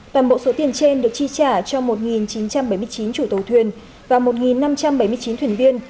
toàn bộ số tiền trên được chi trả cho một chín trăm bảy mươi chín chủ tàu thuyền và một năm trăm bảy mươi chín thuyền viên